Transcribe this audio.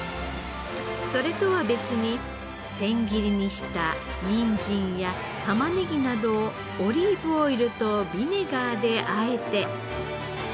それとは別に千切りにしたにんじんや玉ねぎなどをオリーブオイルとビネガーであえて。